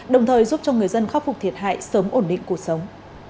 đồng thời giúp cho người dân khắc phục thiệt hại sớm ổn định cuộc sống